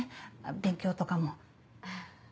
勉強とかも。